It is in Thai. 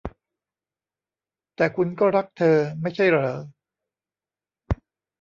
แต่คุณก็รักเธอ ไม่ใช่เหรอ ?